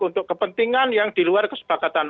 untuk kepentingan yang di luar kesepakatan